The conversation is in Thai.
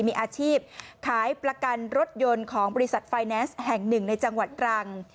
มีอาชีพขายประกันรถยนต์ของบริษัทไฟแนนซ์แห่งหนึ่งในจังหวัดตรัง